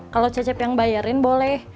kalau cecep yang bayarin boleh